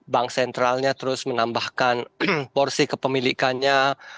bank sentralnya terus menambahkan porsi kepemilikannya